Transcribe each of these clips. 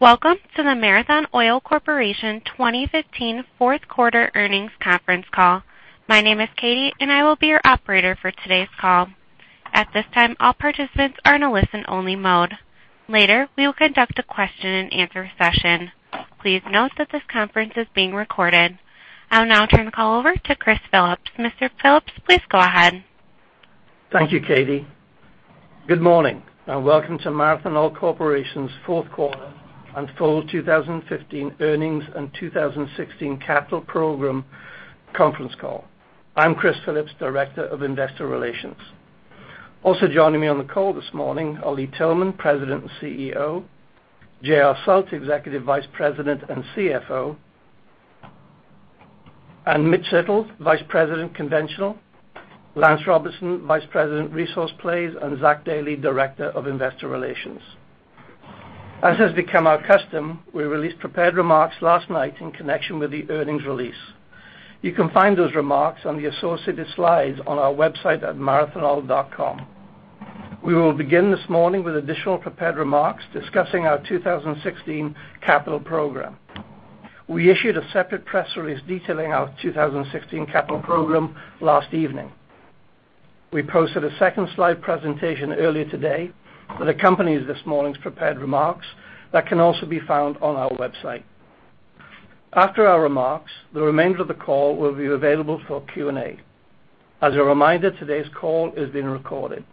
Welcome to the Marathon Oil Corporation 2015 fourth quarter earnings conference call. My name is Katie, and I will be your operator for today's call. At this time, all participants are in a listen-only mode. Later, we will conduct a question and answer session. Please note that this conference is being recorded. I'll now turn the call over to Chris Phillips. Mr. Phillips, please go ahead. Thank you, Katie. Good morning, and welcome to Marathon Oil Corporation's fourth quarter and full 2015 earnings and 2016 capital program conference call. I'm Chris Phillips, Director of Investor Relations. Also joining me on the call this morning are Lee Tillman, President and CEO, J.R. Sult, Executive Vice President and CFO, Mitch Little, Vice President, Conventional, Lance Robertson, Vice President, Resource Plays, and Zach Dailey, Director of Investor Relations. As has become our custom, we released prepared remarks last night in connection with the earnings release. You can find those remarks on the associated slides on our website at marathonoil.com. We will begin this morning with additional prepared remarks discussing our 2016 capital program. We issued a separate press release detailing our 2016 capital program last evening. We posted a second slide presentation earlier today that accompanies this morning's prepared remarks that can also be found on our website. After our remarks, the remainder of the call will be available for Q&A. As a reminder, today's call is being recorded.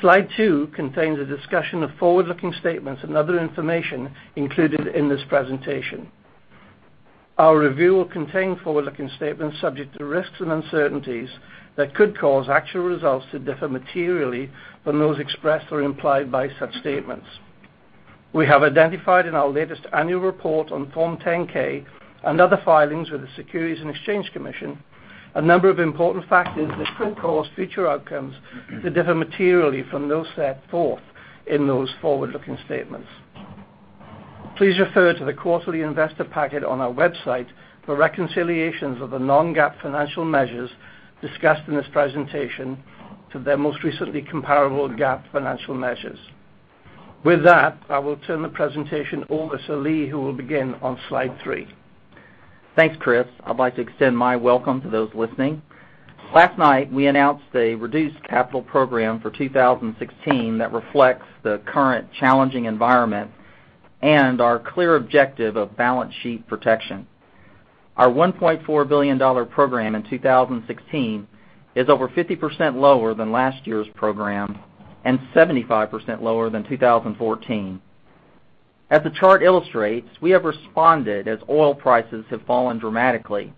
Slide two contains a discussion of forward-looking statements and other information included in this presentation. Our review will contain forward-looking statements subject to risks and uncertainties that could cause actual results to differ materially from those expressed or implied by such statements. We have identified in our latest annual report on Form 10-K and other filings with the Securities and Exchange Commission a number of important factors that could cause future outcomes to differ materially from those set forth in those forward-looking statements. Please refer to the quarterly investor packet on our website for reconciliations of the non-GAAP financial measures discussed in this presentation to their most recently comparable GAAP financial measures. With that, I will turn the presentation over to Lee, who will begin on slide three. Thanks, Chris. I'd like to extend my welcome to those listening. Last night, we announced a reduced capital program for 2016 that reflects the current challenging environment and our clear objective of balance sheet protection. Our $1.4 billion program in 2016 is over 50% lower than last year's program and 75% lower than 2014. As the chart illustrates, we have responded as oil prices have fallen dramatically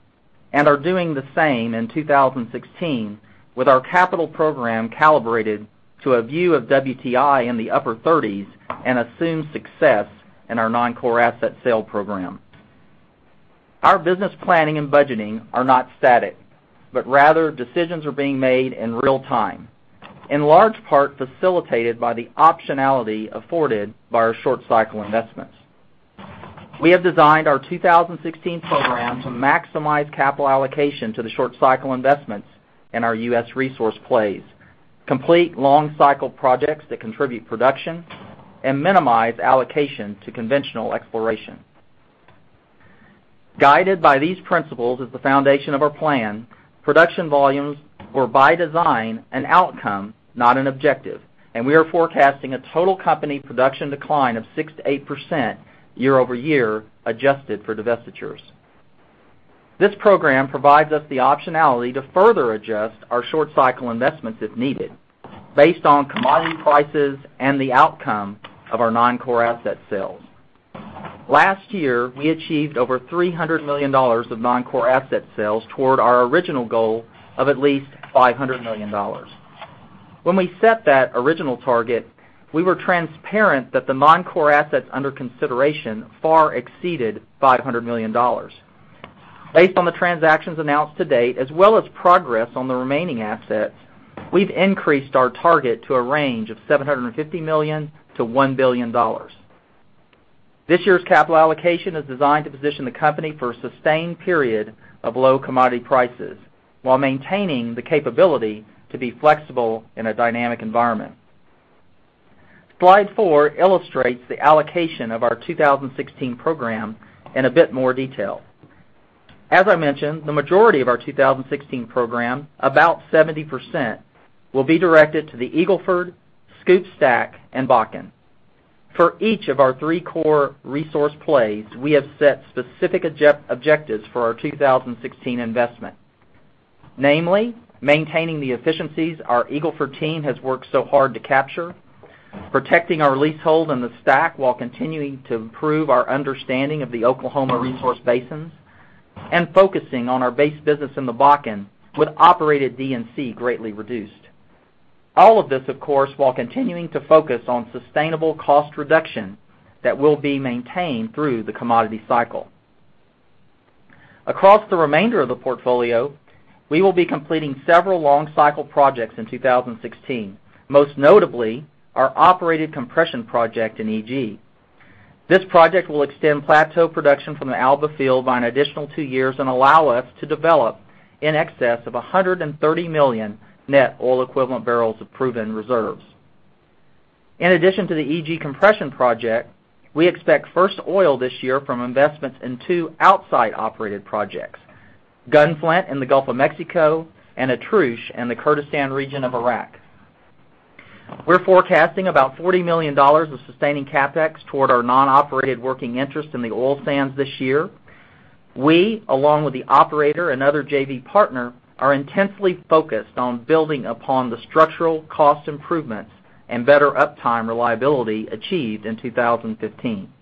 and are doing the same in 2016 with our capital program calibrated to a view of WTI in the upper 30s and assumed success in our non-core asset sale program. Our business planning and budgeting are not static, but rather decisions are being made in real time, in large part facilitated by the optionality afforded by our short cycle investments. We have designed our 2016 program to maximize capital allocation to the short cycle investments in our U.S. resource plays, complete long cycle projects that contribute production, minimize allocation to conventional exploration. Guided by these principles as the foundation of our plan, production volumes were by design an outcome, not an objective. We are forecasting a total company production decline of 6%-8% year-over-year, adjusted for divestitures. This program provides us the optionality to further adjust our short cycle investments if needed, based on commodity prices and the outcome of our non-core asset sales. Last year, we achieved over $300 million of non-core asset sales toward our original goal of at least $500 million. When we set that original target, we were transparent that the non-core assets under consideration far exceeded $500 million. Based on the transactions announced to date, as well as progress on the remaining assets, we've increased our target to a range of $750 million-$1 billion. This year's capital allocation is designed to position the company for a sustained period of low commodity prices while maintaining the capability to be flexible in a dynamic environment. Slide four illustrates the allocation of our 2016 program in a bit more detail. As I mentioned, the majority of our 2016 program, about 70%, will be directed to the Eagle Ford, SCOOP/STACK, and Bakken. For each of our three core resource plays, we have set specific objectives for our 2016 investment. Namely, maintaining the efficiencies our Eagle Ford team has worked so hard to capture, protecting our leasehold in the STACK while continuing to improve our understanding of the Oklahoma resource basins, focusing on our base business in the Bakken with operated D&C greatly reduced. All of this, of course, while continuing to focus on sustainable cost reduction that will be maintained through the commodity cycle. Across the remainder of the portfolio, we will be completing several long cycle projects in 2016, most notably our operated compression project in EG. This project will extend plateau production from the Alba Field by an additional two years and allow us to develop in excess of 130 million net oil equivalent barrels of proven reserves. In addition to the EG compression project, we expect first oil this year from investments in two outside operated projects, Gunflint in the Gulf of Mexico and Atrush in the Kurdistan region of Iraq. We're forecasting about $40 million of sustaining CapEx toward our non-operated working interest in the oil sands this year. We, along with the operator and other JV partner, are intensely focused on building upon the structural cost improvements and better uptime reliability achieved in 2015.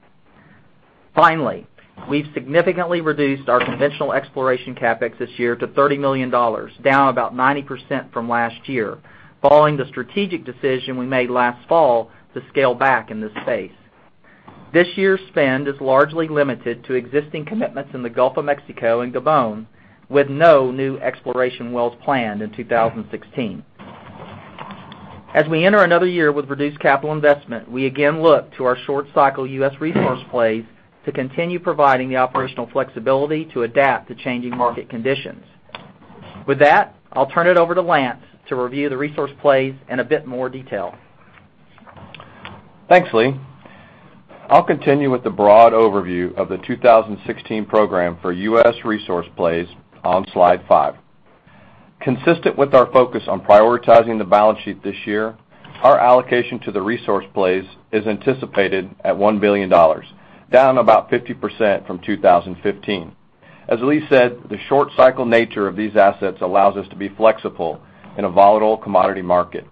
We've significantly reduced our conventional exploration CapEx this year to $30 million, down about 90% from last year, following the strategic decision we made last fall to scale back in this space. This year's spend is largely limited to existing commitments in the Gulf of Mexico and Gabon, with no new exploration wells planned in 2016. As we enter another year with reduced capital investment, we again look to our short-cycle U.S. resource plays to continue providing the operational flexibility to adapt to changing market conditions. With that, I'll turn it over to Lance to review the resource plays in a bit more detail. Thanks, Lee. I'll continue with the broad overview of the 2016 program for U.S. resource plays on Slide 5. Consistent with our focus on prioritizing the balance sheet this year, our allocation to the resource plays is anticipated at $1 billion, down about 50% from 2015. As Lee said, the short-cycle nature of these assets allows us to be flexible in a volatile commodity market.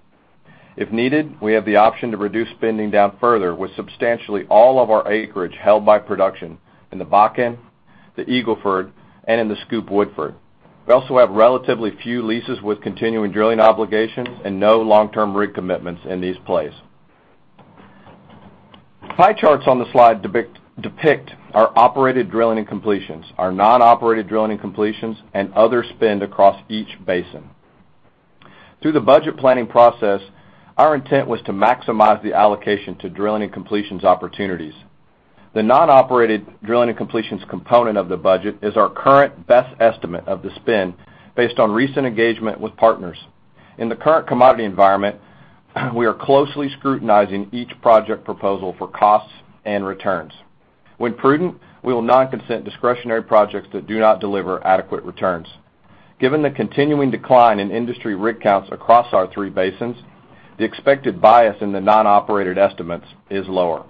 If needed, we have the option to reduce spending down further with substantially all of our acreage held by production in the Bakken, the Eagle Ford, and in the SCOOP/Woodford. We also have relatively few leases with continuing drilling obligations and no long-term rig commitments in these plays. Pie charts on the slide depict our operated drilling and completions, our non-operated drilling and completions, and other spend across each basin. Through the budget planning process, our intent was to maximize the allocation to drilling and completions opportunities. The non-operated drilling and completions component of the budget is our current best estimate of the spend based on recent engagement with partners. In the current commodity environment, we are closely scrutinizing each project proposal for costs and returns. When prudent, we will not consent discretionary projects that do not deliver adequate returns. Given the continuing decline in industry rig counts across our three basins, the expected bias in the non-operated estimates is lower.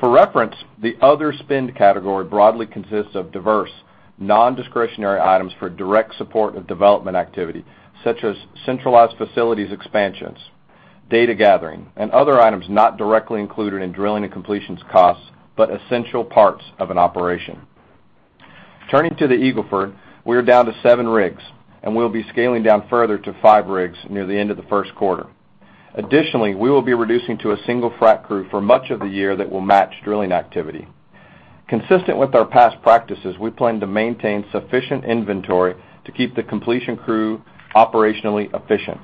For reference, the other spend category broadly consists of diverse non-discretionary items for direct support of development activity, such as centralized facilities expansions, data gathering, and other items not directly included in drilling and completions costs, but essential parts of an operation. Turning to the Eagle Ford, we are down to seven rigs, and we'll be scaling down further to five rigs near the end of the first quarter. Additionally, we will be reducing to a single frac crew for much of the year that will match drilling activity. Consistent with our past practices, we plan to maintain sufficient inventory to keep the completion crew operationally efficient.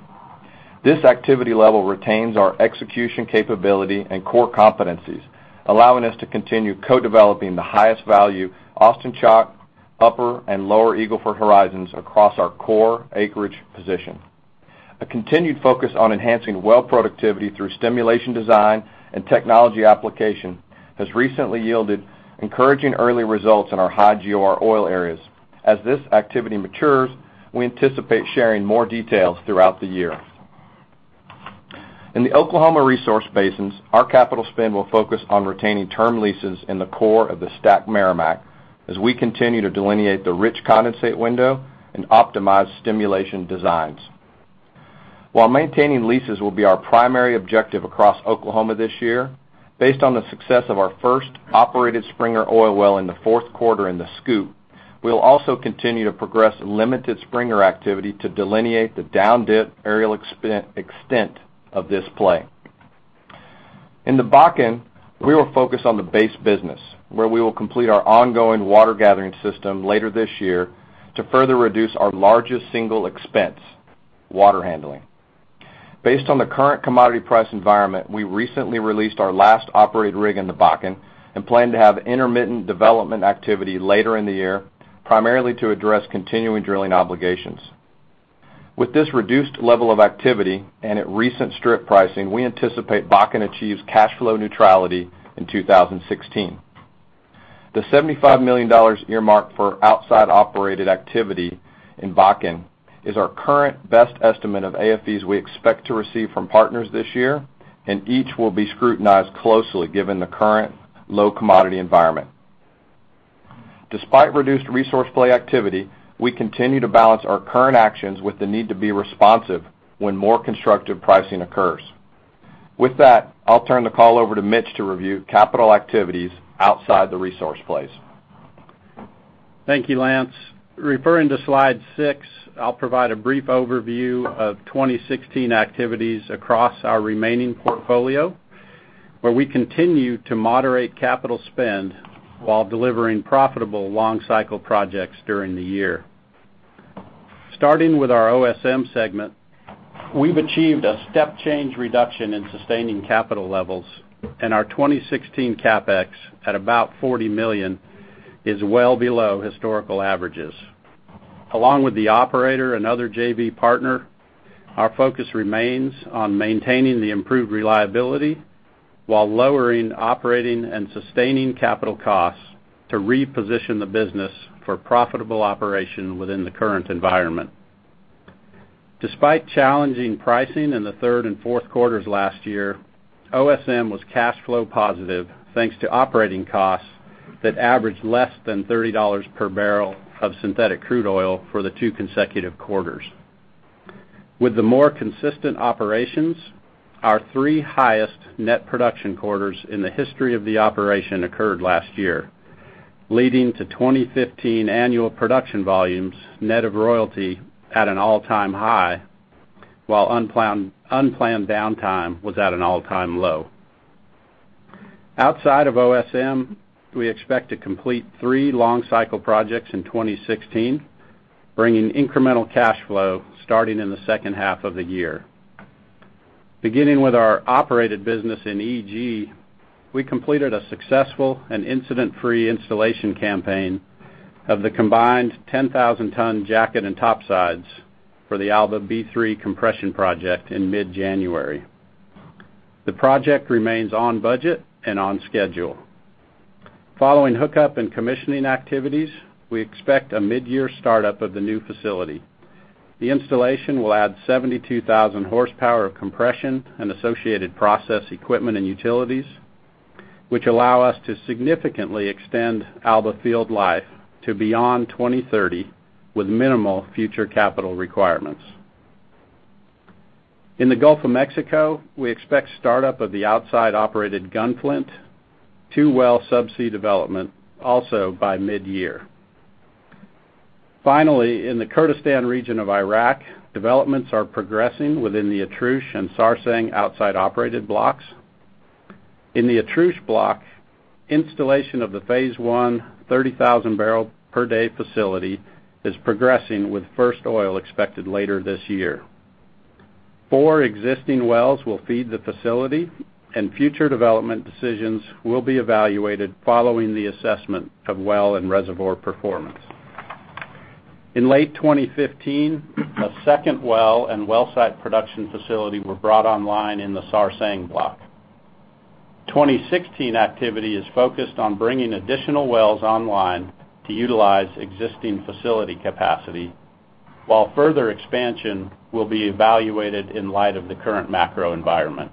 This activity level retains our execution capability and core competencies, allowing us to continue co-developing the highest value Austin Chalk, Upper and Lower Eagle Ford horizons across our core acreage position. A continued focus on enhancing well productivity through stimulation design and technology application has recently yielded encouraging early results in our high GOR oil areas. As this activity matures, we anticipate sharing more details throughout the year. In the Oklahoma resource basins, our capital spend will focus on retaining term leases in the core of the STACK Meramec as we continue to delineate the rich condensate window and optimize stimulation designs. While maintaining leases will be our primary objective across Oklahoma this year, based on the success of our first operated Springer oil well in the fourth quarter in the SCOOP, we'll also continue to progress limited Springer activity to delineate the down-dip areal extent of this play. In the Bakken, we will focus on the base business, where we will complete our ongoing water gathering system later this year to further reduce our largest single expense, water handling. Based on the current commodity price environment, we recently released our last operated rig in the Bakken and plan to have intermittent development activity later in the year, primarily to address continuing drilling obligations. With this reduced level of activity and at recent strip pricing, we anticipate Bakken achieves cash flow neutrality in 2016. The $75 million earmarked for outside-operated activity in Bakken is our current best estimate of AFEs we expect to receive from partners this year, and each will be scrutinized closely given the current low commodity environment. Despite reduced resource play activity, we continue to balance our current actions with the need to be responsive when more constructive pricing occurs. With that, I'll turn the call over to Mitch to review capital activities outside the resource plays. Thank you, Lance. Referring to Slide 6, I'll provide a brief overview of 2016 activities across our remaining portfolio, where we continue to moderate capital spend while delivering profitable long-cycle projects during the year. Starting with our OSM segment, we've achieved a step change reduction in sustaining capital levels and our 2016 CapEx at about $40 million is well below historical averages. Along with the operator and other JV partner, our focus remains on maintaining the improved reliability while lowering operating and sustaining capital costs to reposition the business for profitable operation within the current environment. Despite challenging pricing in the third and fourth quarters last year, OSM was cash flow positive, thanks to operating costs that averaged less than $30 per barrel of synthetic crude oil for the two consecutive quarters. With the more consistent operations, our three highest net production quarters in the history of the operation occurred last year, leading to 2015 annual production volumes net of royalty at an all-time high, while unplanned downtime was at an all-time low. Outside of OSM, we expect to complete three long cycle projects in 2016, bringing incremental cash flow starting in the second half of the year. Beginning with our operated business in EG, we completed a successful and incident-free installation campaign of the combined 10,000-ton jacket and topsides for the Alba B3 compression project in mid-January. The project remains on budget and on schedule. Following hookup and commissioning activities, we expect a midyear startup of the new facility. The installation will add 72,000 horsepower of compression and associated process equipment and utilities, which allow us to significantly extend Alba field life to beyond 2030 with minimal future capital requirements. In the Gulf of Mexico, we expect startup of the outside-operated Gunflint 2 Well subsea development also by midyear. Finally, in the Kurdistan region of Iraq, developments are progressing within the Atrush and Sarsang outside operated blocks. In the Atrush block, installation of the phase one 30,000-barrel-per-day facility is progressing, with first oil expected later this year. Four existing wells will feed the facility, and future development decisions will be evaluated following the assessment of well and reservoir performance. In late 2015, a second well and well site production facility were brought online in the Sarsang block. 2016 activity is focused on bringing additional wells online to utilize existing facility capacity, while further expansion will be evaluated in light of the current macro environment.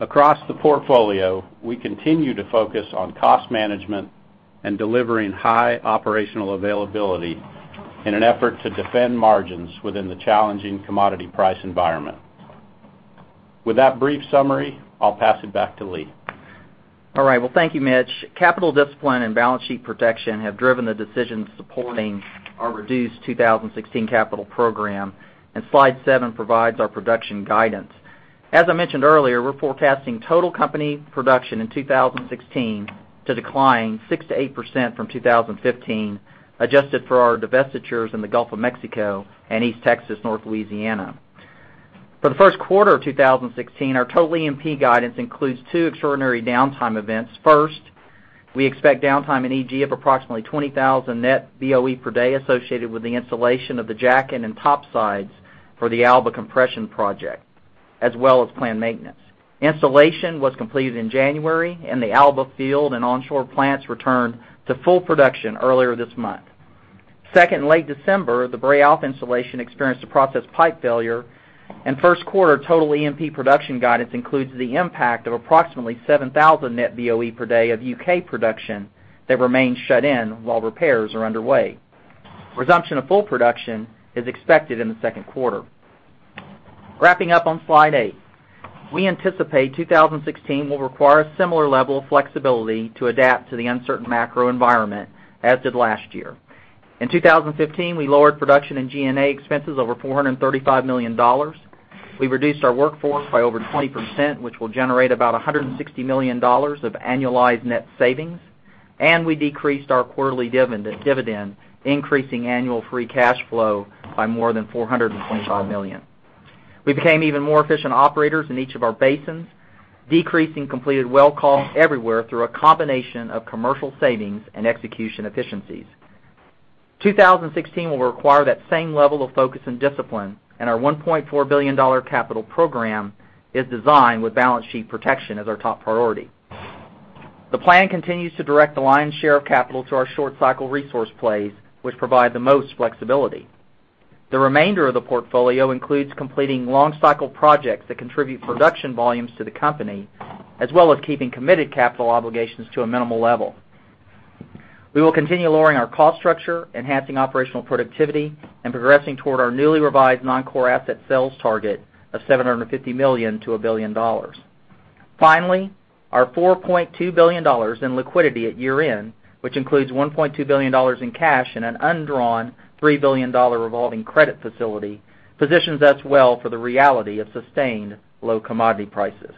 Across the portfolio, we continue to focus on cost management and delivering high operational availability in an effort to defend margins within the challenging commodity price environment. With that brief summary, I'll pass it back to Lee. All right. Well, thank you, Mitch. Capital discipline and balance sheet protection have driven the decisions supporting our reduced 2016 capital program, and slide seven provides our production guidance. As I mentioned earlier, we're forecasting total company production in 2016 to decline 6%-8% from 2015, adjusted for our divestitures in the Gulf of Mexico and East Texas, North Louisiana. For the first quarter of 2016, our total E&P guidance includes two extraordinary downtime events. First, we expect downtime in EG of approximately 20,000 net BOE per day associated with the installation of the jacket and topsides for the Alba compression project, as well as planned maintenance. Installation was completed in January, and the Alba field and onshore plants returned to full production earlier this month. Second, in late December, the Brae Alpha installation experienced a process pipe failure. First quarter total E&P production guidance includes the impact of approximately 7,000 net BOE per day of U.K. production that remains shut in while repairs are underway. Resumption of full production is expected in the second quarter. Wrapping up on slide eight. We anticipate 2016 will require a similar level of flexibility to adapt to the uncertain macro environment, as did last year. In 2015, we lowered production and G&A expenses over $435 million. We reduced our workforce by over 20%, which will generate about $160 million of annualized net savings. We decreased our quarterly dividend, increasing annual free cash flow by more than $425 million. We became even more efficient operators in each of our basins, decreasing completed well costs everywhere through a combination of commercial savings and execution efficiencies. 2016 will require that same level of focus and discipline, our $1.4 billion capital program is designed with balance sheet protection as our top priority. The plan continues to direct the lion's share of capital to our short-cycle resource plays, which provide the most flexibility. The remainder of the portfolio includes completing long-cycle projects that contribute production volumes to the company, as well as keeping committed capital obligations to a minimal level. We will continue lowering our cost structure, enhancing operational productivity, and progressing toward our newly revised non-core asset sales target of $750 million to $1 billion. Finally, our $4.2 billion in liquidity at year-end, which includes $1.2 billion in cash and an undrawn $3 billion revolving credit facility, positions us well for the reality of sustained low commodity prices.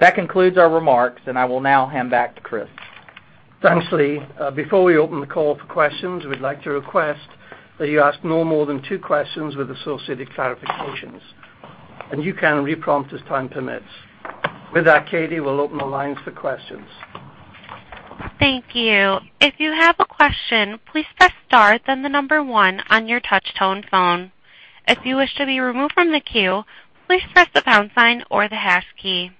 That concludes our remarks, I will now hand back to Chris. Thanks, Lee. Before we open the call for questions, we'd like to request that you ask no more than two questions with associated clarifications, you can re-prompt as time permits. With that, Katie, we'll open the lines for questions. Thank you. If you have a question, please press star, then the number one on your touch-tone phone. If you wish to be removed from the queue, please press the pound sign or the hash key.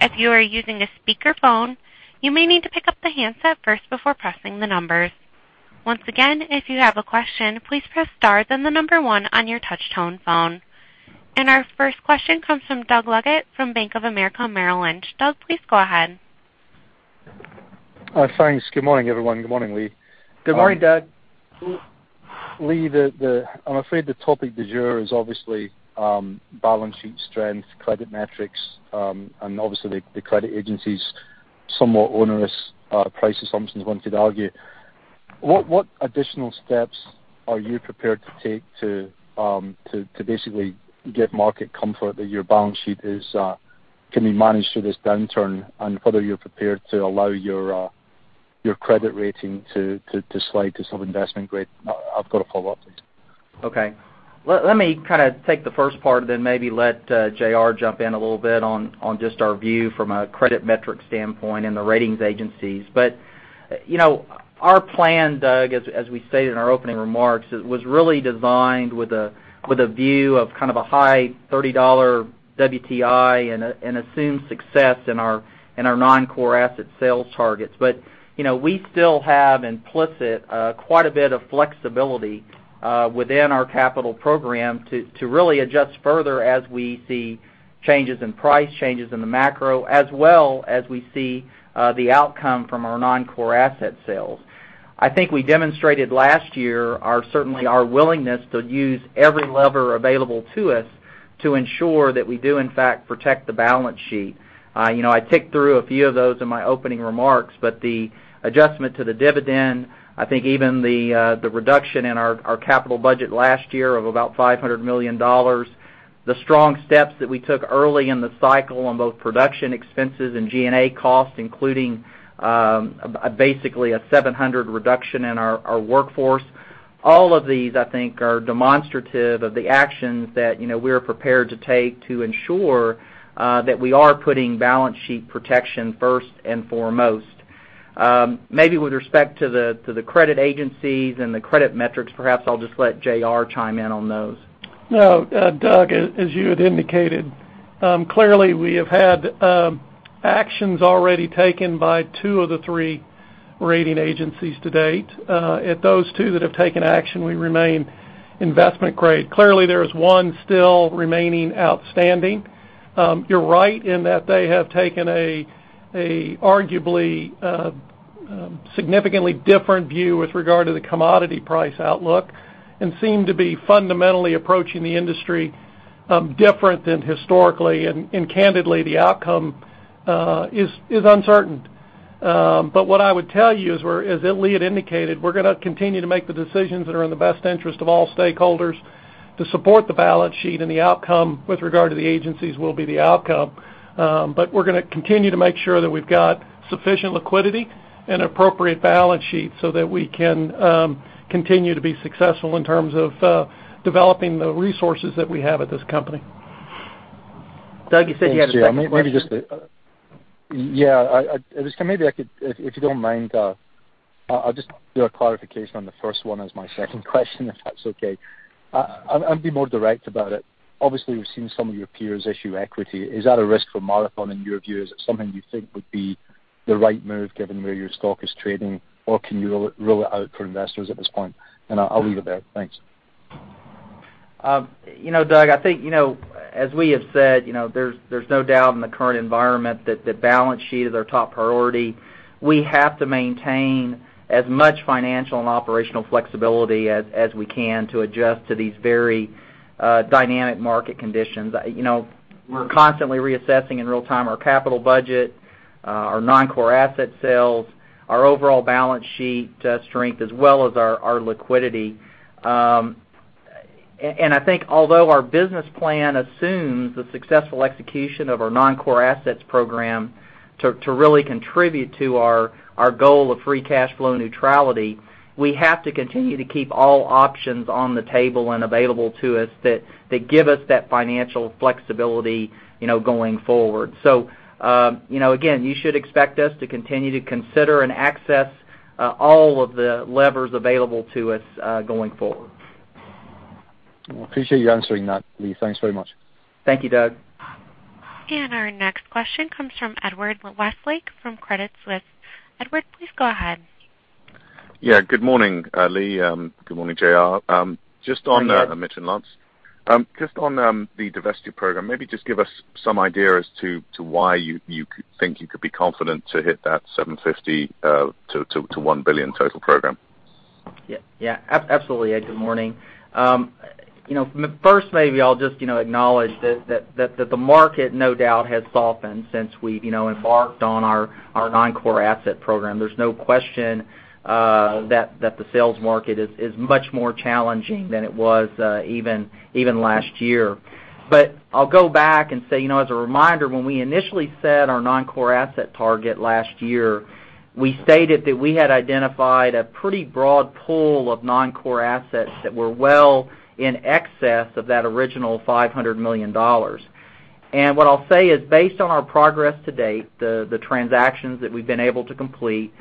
If you are using a speakerphone, you may need to pick up the handset first before pressing the numbers. Once again, if you have a question, please press star, then the number one on your touch-tone phone. Our first question comes from Doug Leggate from Bank of America Merrill Lynch. Doug, please go ahead. Thanks. Good morning, everyone. Good morning, Lee. Good morning, Doug. Lee, I'm afraid the topic du jour is obviously balance sheet strength, credit metrics, and obviously the credit agencies' somewhat onerous price assumptions, one could argue. What additional steps are you prepared to take to basically give market comfort that your balance sheet can be managed through this downturn and whether you're prepared to allow your credit rating to slide to sub-investment grade? I've got a follow-up. Okay. Let me take the first part, then maybe let J.R. jump in a little bit on just our view from a credit metric standpoint and the ratings agencies. Our plan, Doug, as we stated in our opening remarks, was really designed with a view of a high $30 WTI and assumed success in our non-core asset sales targets. We still have implicit quite a bit of flexibility within our capital program to really adjust further as we see changes in price, changes in the macro, as well as we see the outcome from our non-core asset sales. I think we demonstrated last year certainly our willingness to use every lever available to us to ensure that we do in fact protect the balance sheet. I ticked through a few of those in my opening remarks, the adjustment to the dividend, I think even the reduction in our capital budget last year of about $500 million, the strong steps that we took early in the cycle on both production expenses and G&A costs, including basically a 700 reduction in our workforce. All of these, I think, are demonstrative of the actions that we are prepared to take to ensure that we are putting balance sheet protection first and foremost. Maybe with respect to the credit agencies and the credit metrics, perhaps I'll just let J.R. chime in on those. Doug, as you had indicated, clearly we have had actions already taken by two of the three rating agencies to date. At those two that have taken action, we remain investment grade. Clearly, there is one still remaining outstanding. You're right in that they have taken an arguably significantly different view with regard to the commodity price outlook and seem to be fundamentally approaching the industry different than historically, and candidly, the outcome is uncertain. What I would tell you is, as Lee had indicated, we're going to continue to make the decisions that are in the best interest of all stakeholders to support the balance sheet, and the outcome with regard to the agencies will be the outcome. We're going to continue to make sure that we've got sufficient liquidity and appropriate balance sheet so that we can continue to be successful in terms of developing the resources that we have at this company. Doug, you said you had a second question? Yeah. If you don't mind, I'll just do a clarification on the first one as my second question, if that's okay. I'll be more direct about it. Obviously, we've seen some of your peers issue equity. Is that a risk for Marathon in your view? Is it something you think would be the right move given where your stock is trading, or can you rule it out for investors at this point? I'll leave it there. Thanks. Doug, I think, as we have said, there's no doubt in the current environment that the balance sheet is our top priority. We have to maintain as much financial and operational flexibility as we can to adjust to these very dynamic market conditions. We're constantly reassessing in real time our capital budget, our non-core asset sales, our overall balance sheet strength, as well as our liquidity. I think although our business plan assumes the successful execution of our non-core assets program to really contribute to our goal of free cash flow neutrality, we have to continue to keep all options on the table and available to us that give us that financial flexibility going forward. Again, you should expect us to continue to consider and access all of the levers available to us going forward. I appreciate you answering that, Lee. Thanks very much. Thank you, Doug. Our next question comes from Edward Westlake from Credit Suisse. Edward, please go ahead. Yeah. Good morning, Lee Tillman. Good morning, J.R. Sult. Morning. Mitch Little and Lance Robertson. Just on the divesting program, maybe just give us some idea as to why you think you could be confident to hit that $750 million-$1 billion total program? Yeah. Absolutely, Edward Westlake. Good morning. First, maybe I'll just acknowledge that the market no doubt has softened since we embarked on our non-core asset program. There's no question that the sales market is much more challenging than it was even last year. I'll go back and say, as a reminder, when we initially set our non-core asset target last year, we stated that we had identified a pretty broad pool of non-core assets that were well in excess of that original $500 million. What I'll say is based on our progress to date, the transactions that we've been able to complete,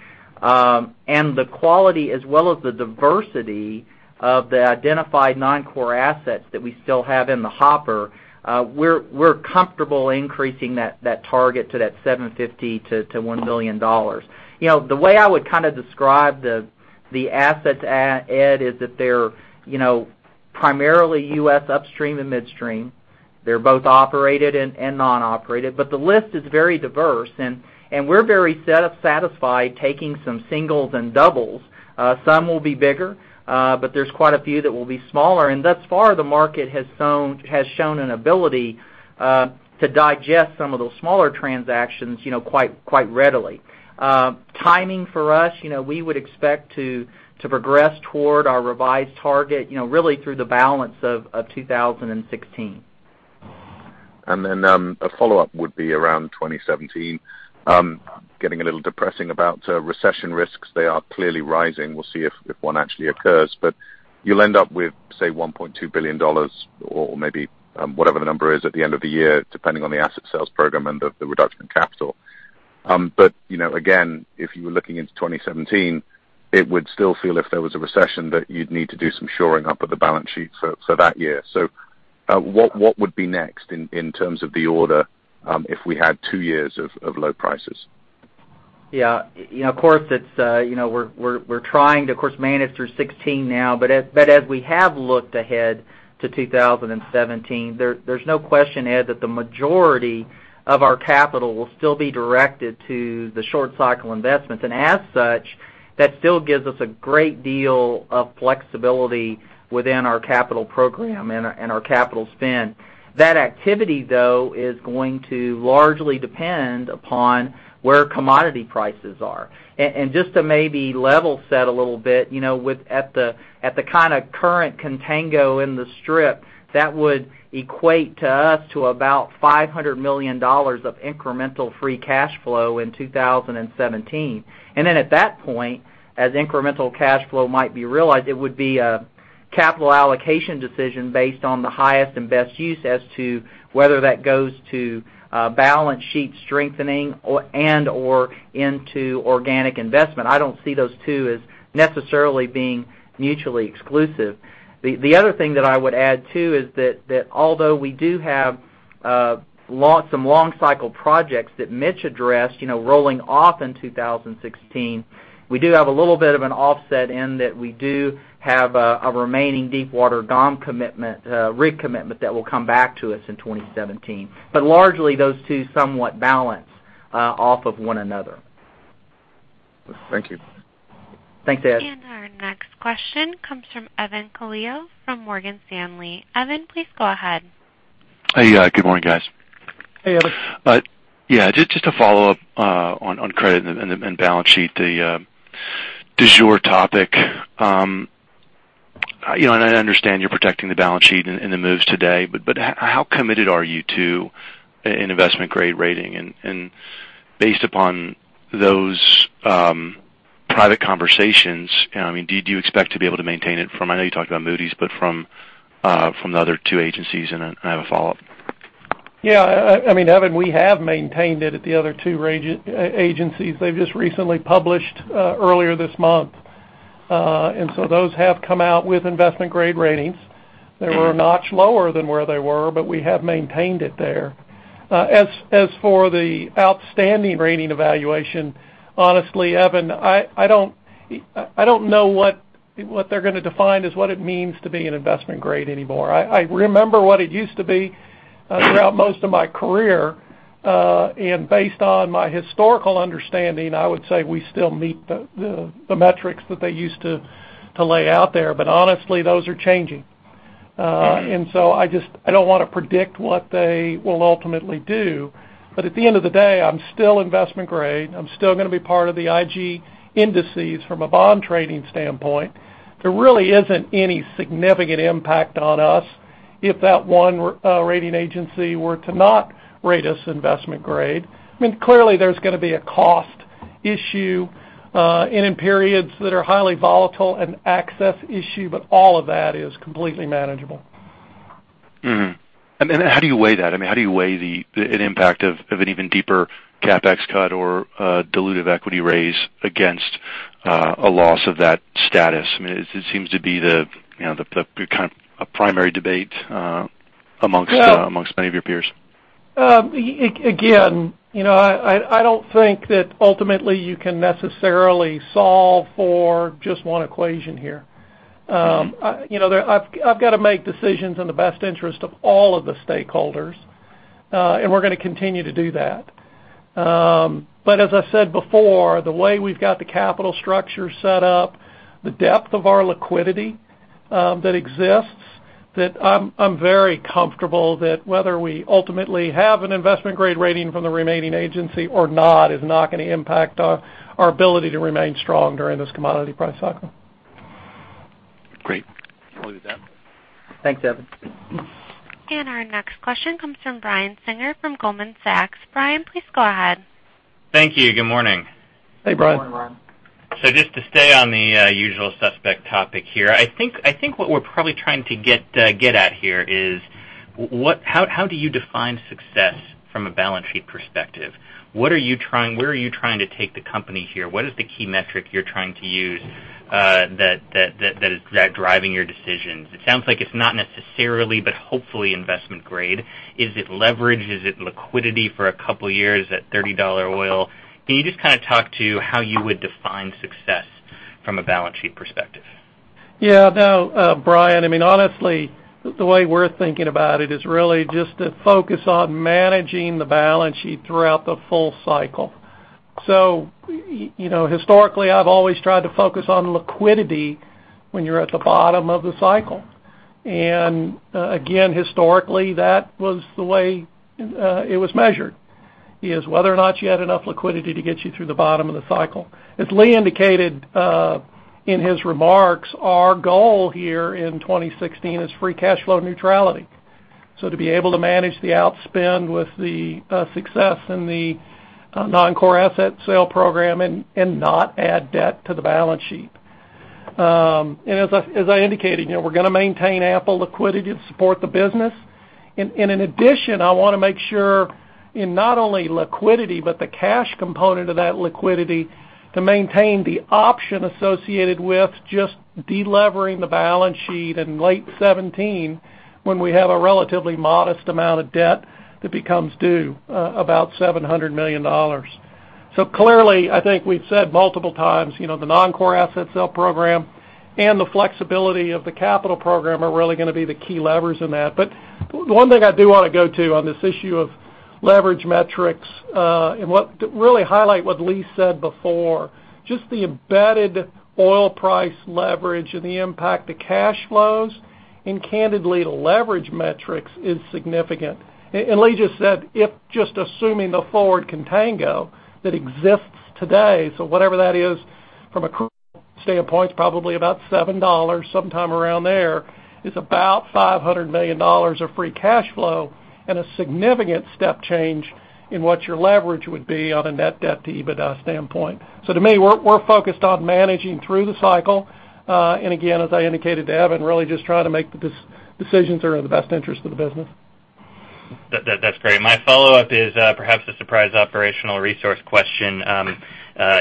and the quality as well as the diversity of the identified non-core assets that we still have in the hopper, we're comfortable increasing that target to that $750 million-$1 billion. The way I would describe the assets, Edward Westlake, is that they're primarily U.S. upstream and midstream. They're both operated and non-operated, but the list is very diverse, and we're very satisfied taking some singles and doubles. Some will be bigger, but there's quite a few that will be smaller. Thus far, the market has shown an ability to digest some of those smaller transactions quite readily. Timing for us, we would expect to progress toward our revised target really through the balance of 2016. A follow-up would be around 2017. Getting a little depressing about recession risks. They are clearly rising. We'll see if one actually occurs. You'll end up with, say, $1.2 billion or maybe whatever the number is at the end of the year, depending on the asset sales program and the reduction in capital. If you were looking into 2017, it would still feel, if there was a recession, that you'd need to do some shoring up of the balance sheet for that year. What would be next in terms of the order if we had two years of low prices? We're trying to, of course, manage through 2016 now, as we have looked ahead to 2017, there's no question, Ed, that the majority of our capital will still be directed to the short cycle investments. As such, that still gives us a great deal of flexibility within our capital program and our capital spend. That activity, though, is going to largely depend upon where commodity prices are. Just to maybe level set a little bit, at the kind of current contango in the strip, that would equate to us to about $500 million of incremental free cash flow in 2017. At that point, as incremental cash flow might be realized, it would be a capital allocation decision based on the highest and best use as to whether that goes to balance sheet strengthening and/or into organic investment. I don't see those two as necessarily being mutually exclusive. The other thing that I would add, too, is that although we do have some long cycle projects that Mitch addressed rolling off in 2016, we do have a little bit of an offset in that we do have a remaining deepwater rig commitment that will come back to us in 2017. Largely, those two somewhat balance off of one another. Thank you. Thanks, Ed. Our next question comes from Evan Calio from Morgan Stanley. Evan, please go ahead. Hey. Good morning, guys. Hey, Evan. Yeah. Just a follow-up on credit and balance sheet, the du jour topic. I understand you're protecting the balance sheet in the moves today, how committed are you to an investment-grade rating? Based upon those private conversations, do you expect to be able to maintain it from, I know you talked about Moody's, from the other two agencies? I have a follow-up. Yeah. Evan, we have maintained it at the other two agencies. They've just recently published earlier this month. Those have come out with investment-grade ratings. They were a notch lower than where they were, we have maintained it there. As for the outstanding rating evaluation, honestly, Evan, I don't know what they're going to define as what it means to be an investment grade anymore. I remember what it used to be throughout most of my career. Based on my historical understanding, I would say we still meet the metrics that they used to lay out there. Honestly, those are changing. I don't want to predict what they will ultimately do. At the end of the day, I'm still investment grade. I'm still going to be part of the IG indices from a bond trading standpoint. There really isn't any significant impact on us if that one rating agency were to not rate us investment grade. Clearly, there's going to be a cost issue, and in periods that are highly volatile, an access issue, all of that is completely manageable. Mm-hmm. How do you weigh that? How do you weigh an impact of an even deeper CapEx cut or dilutive equity raise against a loss of that status? It seems to be a primary debate amongst many of your peers. I don't think that ultimately you can necessarily solve for just one equation here. I've got to make decisions in the best interest of all of the stakeholders, and we're going to continue to do that. As I said before, the way we've got the capital structure set up, the depth of our liquidity that exists, that I'm very comfortable that whether we ultimately have an investment-grade rating from the remaining agency or not is not going to impact our ability to remain strong during this commodity price cycle. Great. We'll leave it at that. Thanks, Evan. Our next question comes from Brian Singer from Goldman Sachs. Brian, please go ahead. Thank you. Good morning. Hey, Brian. Good morning, Brian. Just to stay on the usual suspect topic here, I think what we're probably trying to get at here is how do you define success from a balance sheet perspective? Where are you trying to take the company here? What is the key metric you're trying to use that is driving your decisions? It sounds like it's not necessarily, but hopefully investment grade. Is it leverage? Is it liquidity for a couple of years at $30 oil? Can you just talk to how you would define success from a balance sheet perspective? No, Brian, honestly, the way we're thinking about it is really just to focus on managing the balance sheet throughout the full cycle. Historically, I've always tried to focus on liquidity when you're at the bottom of the cycle. Again, historically, that was the way it was measured, is whether or not you had enough liquidity to get you through the bottom of the cycle. As Lee indicated in his remarks, our goal here in 2016 is free cash flow neutrality. To be able to manage the outspend with the success in the non-core asset sale program and not add debt to the balance sheet. As I indicated, we're going to maintain ample liquidity to support the business. In addition, I want to make sure in not only liquidity, but the cash component of that liquidity to maintain the option associated with just de-levering the balance sheet in late 2017, when we have a relatively modest amount of debt that becomes due, about $700 million. Clearly, I think we've said multiple times, the non-core asset sale program and the flexibility of the capital program are really going to be the key levers in that. One thing I do want to go to on this issue of leverage metrics, and really highlight what Lee said before, just the embedded oil price leverage and the impact to cash flows, and candidly, leverage metrics is significant. Lee just said, if just assuming the forward contango that exists today, whatever that is from a crude standpoint, it's probably about $7, sometime around there, is about $500 million of free cash flow and a significant step change in what your leverage would be on a net debt to EBITDA standpoint. To me, we're focused on managing through the cycle. Again, as I indicated to Evan, really just trying to make the decisions that are in the best interest of the business. That's great. My follow-up is perhaps a surprise operational resource question.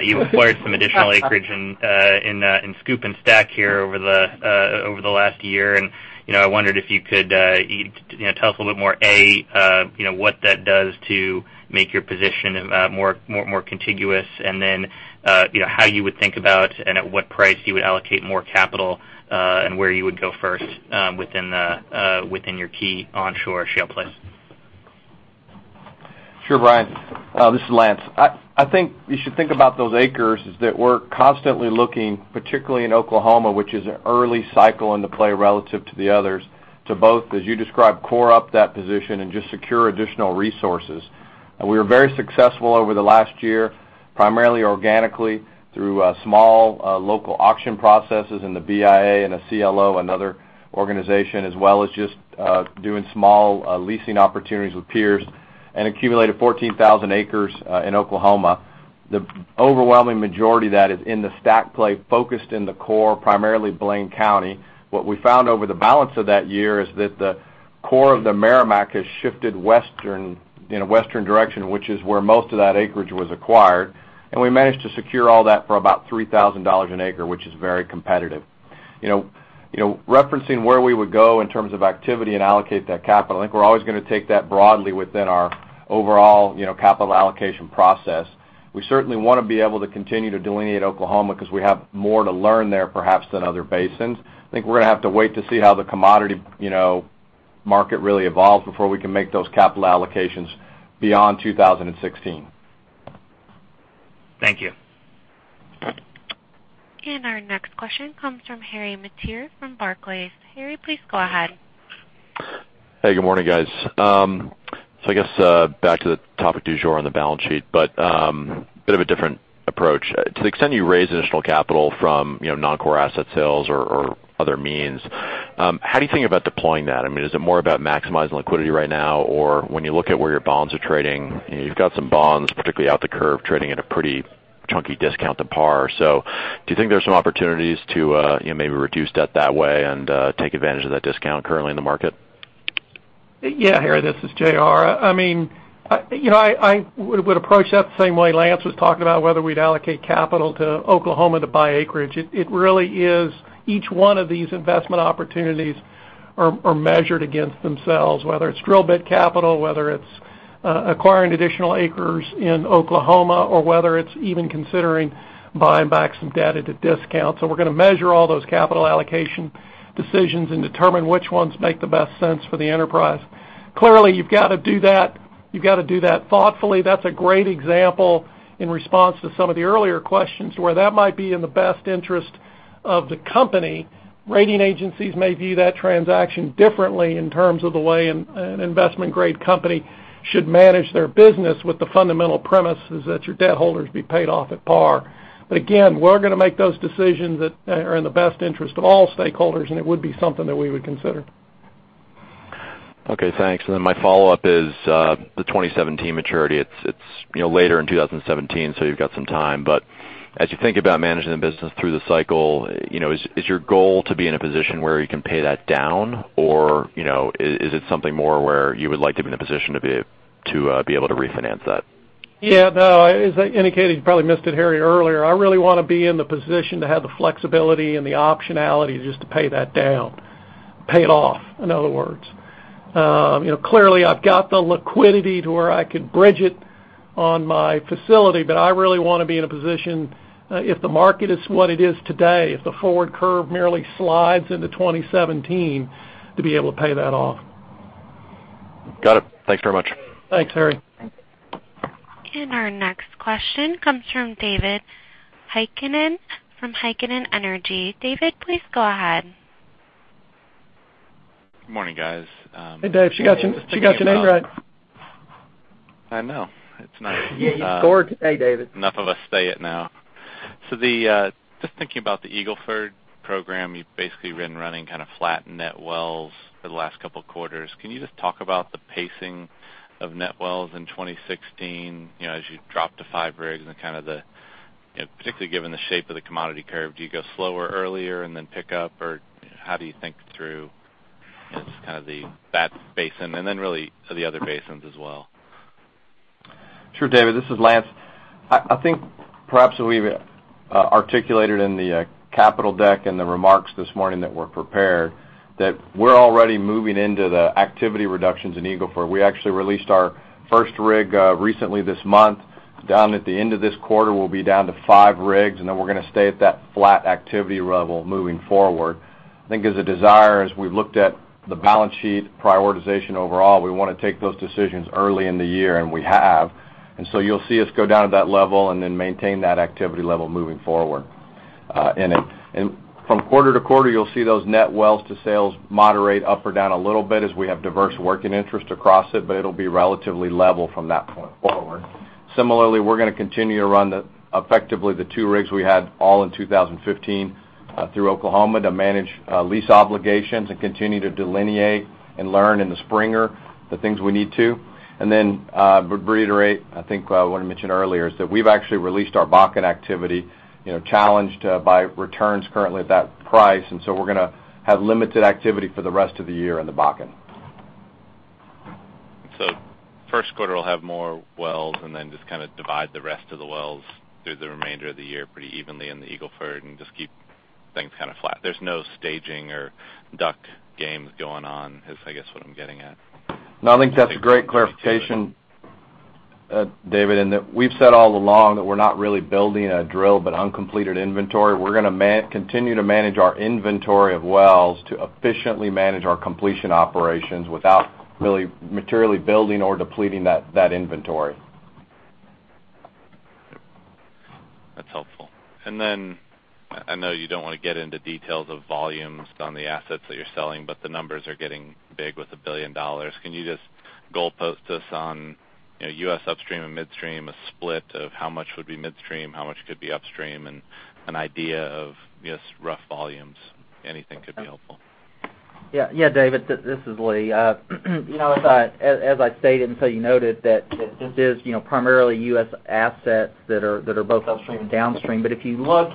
You've acquired some additional acreage in SCOOP and STACK here over the last year, I wondered if you could tell us a little more, A, what that does to make your position more contiguous and then how you would think about and at what price you would allocate more capital, and where you would go first within your key onshore shale plays. Sure, Brian. This is Lance. I think you should think about those acres is that we're constantly looking, particularly in Oklahoma, which is an early cycle in the play relative to the others, to both, as you described, core up that position and just secure additional resources. We were very successful over the last year, primarily organically through small local auction processes in the BIA and the CLO, another organization, as well as just doing small leasing opportunities with peers and accumulated 14,000 acres in Oklahoma. The overwhelming majority that is in the STACK play focused in the core, primarily Blaine County. What we found over the balance of that year is that the core of the Meramec has shifted in a western direction, which is where most of that acreage was acquired. We managed to secure all that for about $3,000 an acre, which is very competitive. Referencing where we would go in terms of activity and allocate that capital, I think we're always going to take that broadly within our overall capital allocation process. We certainly want to be able to continue to delineate Oklahoma because we have more to learn there perhaps than other basins. I think we're going to have to wait to see how the commodity market really evolves before we can make those capital allocations beyond 2016. Thank you. Our next question comes from Harry Mateer from Barclays. Harry, please go ahead. Hey, good morning, guys. I guess back to the topic du jour on the balance sheet, but a bit of a different approach. To the extent you raise additional capital from non-core asset sales or other means, how do you think about deploying that? Is it more about maximizing liquidity right now, or when you look at where your bonds are trading, you've got some bonds, particularly out the curve, trading at a pretty chunky discount to par. Do you think there's some opportunities to maybe reduce debt that way and take advantage of that discount currently in the market? Yeah, Harry, this is J.R. I would approach that the same way Lance was talking about whether we'd allocate capital to Oklahoma to buy acreage. It really is each one of these investment opportunities are measured against themselves, whether it's drill bit capital, whether it's acquiring additional acres in Oklahoma, or whether it's even considering buying back some debt at a discount. We're going to measure all those capital allocation decisions and determine which ones make the best sense for the enterprise. Clearly, you've got to do that thoughtfully. That's a great example in response to some of the earlier questions where that might be in the best interest of the company. Rating agencies may view that transaction differently in terms of the way an investment-grade company should manage their business with the fundamental premise is that your debt holders be paid off at par. Again, we're going to make those decisions that are in the best interest of all stakeholders, and it would be something that we would consider. Okay, thanks. My follow-up is the 2017 maturity. It's later in 2017, so you've got some time. As you think about managing the business through the cycle, is your goal to be in a position where you can pay that down? Is it something more where you would like to be in a position to be able to refinance that? Yeah, no. As I indicated, you probably missed it, Harry, earlier, I really want to be in the position to have the flexibility and the optionality just to pay that down. Pay it off, in other words. Clearly, I've got the liquidity to where I could bridge it on my facility, but I really want to be in a position, if the market is what it is today, if the forward curve merely slides into 2017, to be able to pay that off. Got it. Thanks very much. Thanks, Harry. Our next question comes from David Heikkinen from Heikkinen Energy Advisors. David, please go ahead. Good morning, guys. Hey, Dave. She got your name right. I know. It's nice. Yeah, you scored today, David. Enough of us say it now. Just thinking about the Eagle Ford program, you've basically been running flat net wells for the last couple of quarters. Can you just talk about the pacing of net wells in 2016, as you drop to five rigs and particularly given the shape of the commodity curve, do you go slower earlier and then pick up? How do you think through that basin and then really the other basins as well? Sure, David. This is Lance. I think perhaps that we've articulated in the capital deck and the remarks this morning that were prepared that we're already moving into the activity reductions in Eagle Ford. We actually released our first rig recently this month. Down at the end of this quarter, we'll be down to five rigs, then we're going to stay at that flat activity level moving forward. I think as a desire, as we've looked at the balance sheet prioritization overall, we want to take those decisions early in the year, we have. You'll see us go down to that level and then maintain that activity level moving forward. From quarter to quarter, you'll see those net wells to sales moderate up or down a little bit as we have diverse working interest across it, but it'll be relatively level from that point forward. Similarly, we're going to continue to run effectively the two rigs we had all in 2015 through Oklahoma to manage lease obligations and continue to delineate and learn in the Springer the things we need to. Reiterate, I think I want to mention earlier, is that we've actually released our Bakken activity, challenged by returns currently at that price. We're going to have limited activity for the rest of the year in the Bakken. First quarter will have more wells just divide the rest of the wells through the remainder of the year pretty evenly in the Eagle Ford and just keep things flat. There's no staging or duck games going on, is I guess what I'm getting at. I think that's a great clarification, David, in that we've said all along that we're not really building a drill but uncompleted inventory. We're going to continue to manage our inventory of wells to efficiently manage our completion operations without really materially building or depleting that inventory. That's helpful. I know you don't want to get into details of volumes on the assets that you're selling, the numbers are getting big with $1 billion. Can you just goal post us on U.S. upstream and midstream, a split of how much would be midstream, how much could be upstream, and an idea of just rough volumes? Anything could be helpful. David. This is Lee. As I stated, you noted that this is primarily U.S. assets that are both upstream and downstream. If you look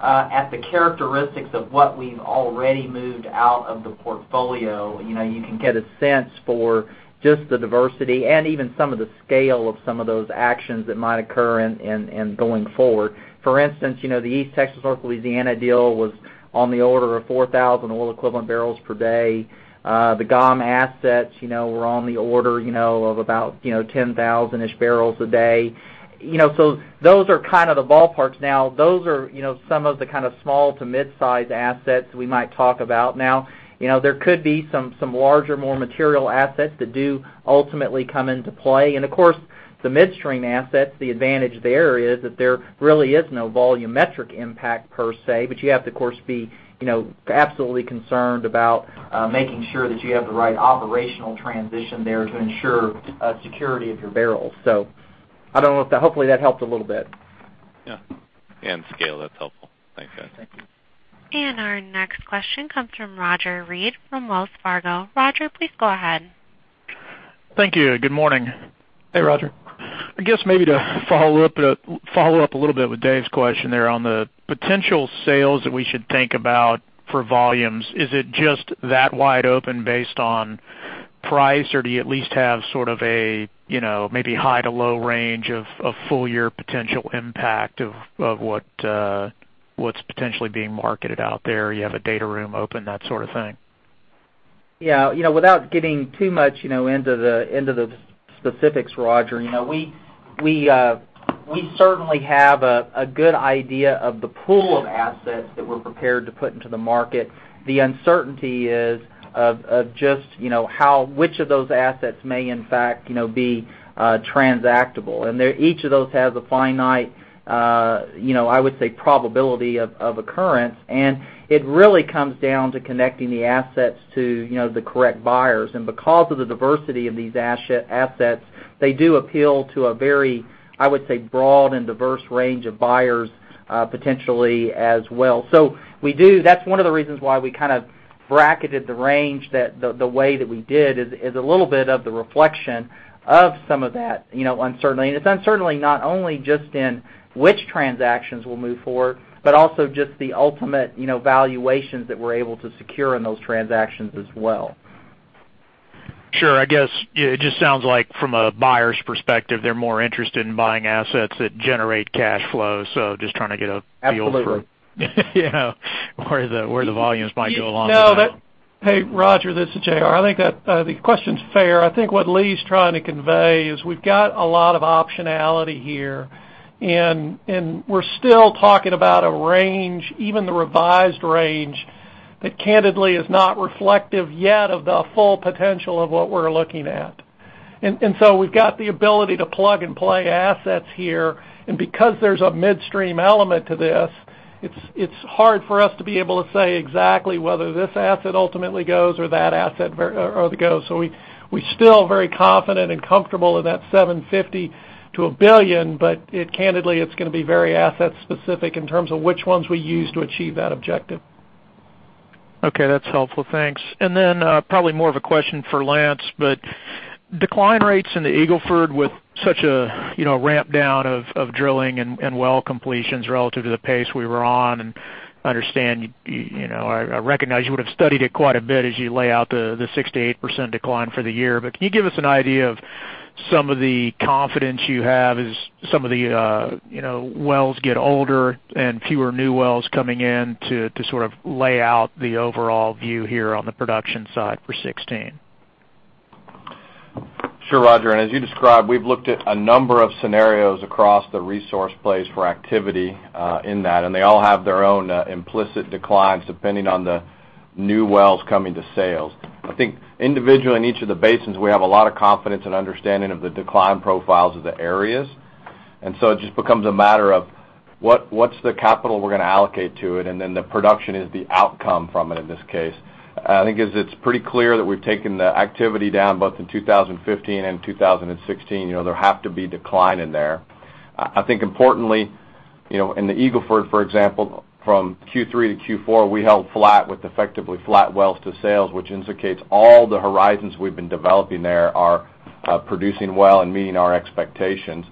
at the characteristics of what we've already moved out of the portfolio, you can get a sense for just the diversity and even some of the scale of some of those actions that might occur and going forward. For instance, the East Texas, North Louisiana deal was on the order of 4,000 oil equivalent barrels per day. The GOM assets were on the order of about 10,000-ish barrels a day. Those are the ballparks now. Those are some of the small to mid-size assets we might talk about now. There could be some larger, more material assets that do ultimately come into play. Of course, the midstream assets, the advantage there is that there really is no volumetric impact per se, you have to, of course, be absolutely concerned about making sure that you have the right operational transition there to ensure security of your barrels. I don't know if that hopefully, that helped a little bit. Yeah. Scale. That's helpful. Thanks, guys. Our next question comes from Roger Read from Wells Fargo. Roger, please go ahead. Thank you. Good morning. Hey, Roger. I guess maybe to follow up a little bit with Dave's question there on the potential sales that we should think about for volumes. Is it just that wide open based on price, or do you at least have sort of a maybe high to low range of full year potential impact of what's potentially being marketed out there? You have a data room open, that sort of thing. Yeah. Without giving too much into the specifics, Roger, we certainly have a good idea of the pool of assets that we're prepared to put into the market. The uncertainty is of just which of those assets may in fact be transactable. Each of those has a finite I would say probability of occurrence, and it really comes down to connecting the assets to the correct buyers. Because of the diversity of these assets, they do appeal to a very, I would say, broad and diverse range of buyers potentially as well. That's one of the reasons why we kind of bracketed the range the way that we did is a little bit of the reflection of some of that uncertainty. It's uncertainty not only just in which transactions we'll move forward, but also just the ultimate valuations that we're able to secure in those transactions as well. Sure. I guess it just sounds like from a buyer's perspective, they're more interested in buying assets that generate cash flow. Just trying to get a feel for Absolutely. Where the volumes might go along with that. No. Hey, Roger, this is J.R. I think the question's fair. I think what Lee's trying to convey is we've got a lot of optionality here, and we're still talking about a range, even the revised range, that candidly is not reflective yet of the full potential of what we're looking at. We've got the ability to plug and play assets here. Because there's a midstream element to this, it's hard for us to be able to say exactly whether this asset ultimately goes or that asset goes. We're still very confident and comfortable in that $750 to $1 billion, but candidly, it's going to be very asset specific in terms of which ones we use to achieve that objective. Okay, that's helpful. Thanks. Probably more of a question for Lance, but decline rates in the Eagle Ford with such a ramp down of drilling and well completions relative to the pace we were on, and I recognize you would've studied it quite a bit as you lay out the 6%-8% decline for the year. Can you give us an idea of some of the confidence you have as some of the wells get older and fewer new wells coming in to sort of lay out the overall view here on the production side for 2016? Sure, Roger. As you described, we've looked at a number of scenarios across the resource plays for activity in that, and they all have their own implicit declines depending on the new wells coming to sales. I think individually in each of the basins, we have a lot of confidence and understanding of the decline profiles of the areas. It just becomes a matter of what's the capital we're going to allocate to it, and then the production is the outcome from it in this case. I think as it's pretty clear that we've taken the activity down both in 2015 and 2016, there have to be decline in there. I think importantly, in the Eagle Ford, for example, from Q3 to Q4, we held flat with effectively flat wells to sales, which indicates all the horizons we've been developing there are producing well and meeting our expectations.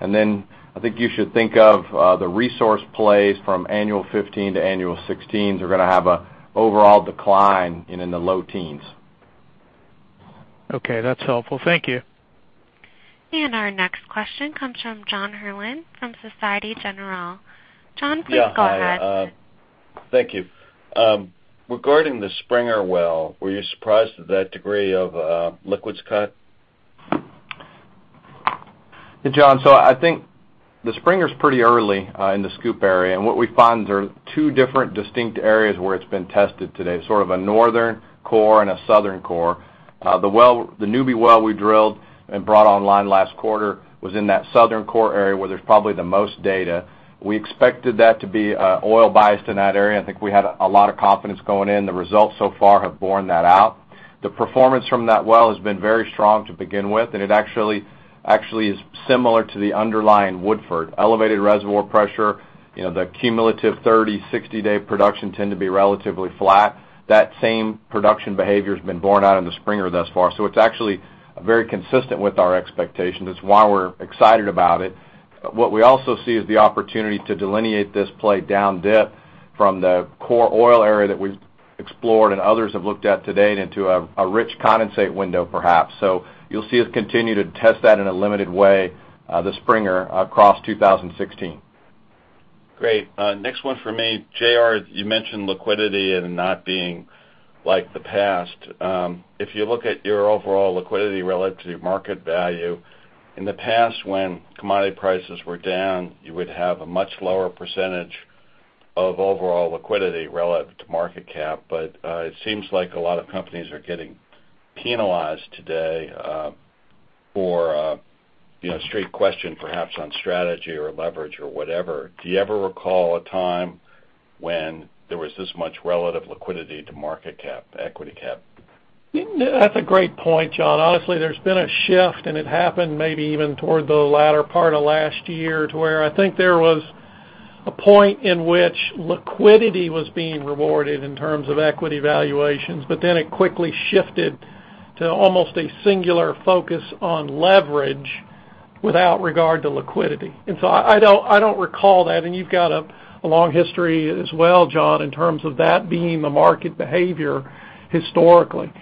I think you should think of the resource plays from annual 2015 to annual 2016 are going to have an overall decline in the low teens. Okay, that's helpful. Thank you. Our next question comes from John Herrlin from Societe Generale. John, please go ahead. Yeah. Hi. Thank you. Regarding the Springer well, were you surprised at that degree of liquids cut? Hey, John. I think the Springer's pretty early in the SCOOP area, and what we find are two different distinct areas where it's been tested today, sort of a northern core and a southern core. The New B well we drilled and brought online last quarter was in that southern core area where there's probably the most data. We expected that to be oil-biased in that area. I think we had a lot of confidence going in. The results so far have borne that out. The performance from that well has been very strong to begin with, and it actually is similar to the underlying Woodford. Elevated reservoir pressure. The cumulative 30, 60-day production tend to be relatively flat. That same production behavior's been borne out in the Springer thus far. It's actually very consistent with our expectations. That's why we're excited about it. What we also see is the opportunity to delineate this play down dip from the core oil area that we've explored and others have looked at to date into a rich condensate window, perhaps. You'll see us continue to test that in a limited way, the Springer, across 2016. Great. Next one for me. J.R., you mentioned liquidity and it not being like the past. If you look at your overall liquidity relative to market value, in the past when commodity prices were down, you would have a much lower percentage of overall liquidity relative to market cap. It seems like a lot of companies are getting penalized today for a straight question perhaps on strategy or leverage or whatever. Do you ever recall a time when there was this much relative liquidity to market cap, equity cap? That's a great point, John. Honestly, there's been a shift, it happened maybe even toward the latter part of last year to where I think there was a point in which liquidity was being rewarded in terms of equity valuations, it quickly shifted to almost a singular focus on leverage without regard to liquidity. I don't recall that, and you've got a long history as well, John, in terms of that being the market behavior historically.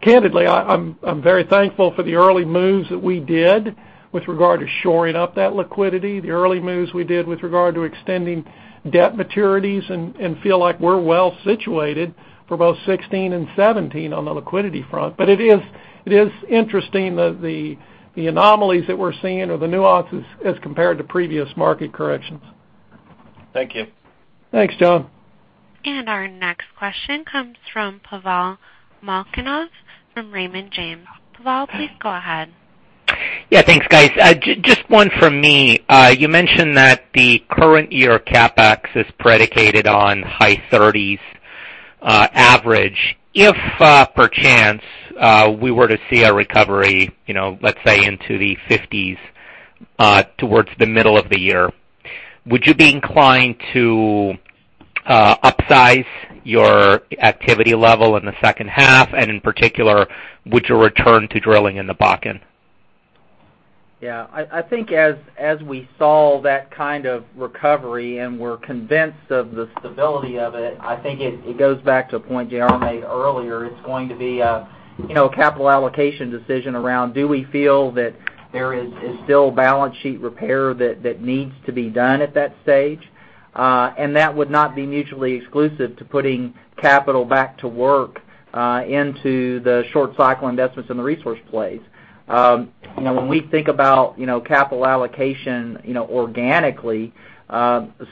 Candidly, I'm very thankful for the early moves that we did with regard to shoring up that liquidity, the early moves we did with regard to extending debt maturities, and feel like we're well situated for both 2016 and 2017 on the liquidity front. It is interesting the anomalies that we're seeing or the nuances as compared to previous market corrections. Thank you. Thanks, John. Our next question comes from Pavel Molchanov from Raymond James. Pavel, please go ahead. Yeah, thanks, guys. Just one from me. You mentioned that the current year CapEx is predicated on high 30s average. If, per chance, we were to see a recovery, let's say into the 50s towards the middle of the year? Would you be inclined to upsize your activity level in the second half, and in particular, would you return to drilling in the Bakken? Yeah. I think as we saw that kind of recovery and we're convinced of the stability of it, I think it goes back to a point J.R. made earlier. It's going to be a capital allocation decision around, do we feel that there is still balance sheet repair that needs to be done at that stage? That would not be mutually exclusive to putting capital back to work into the short cycle investments in the resource plays. When we think about capital allocation organically,